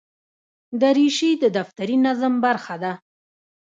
دریشي د دفتري نظم برخه ده.